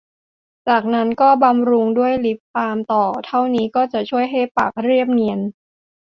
จากนั้นก็บำรุงด้วยลิปบาล์มต่อ เท่านี้ก็จะช่วยให้ปากเรียบเนียน